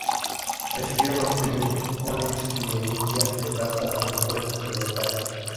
Recibieron los premios Konex y Olimpia de plata a los mejores pelotaris.